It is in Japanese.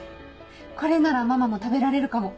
これならママも食べられるかも。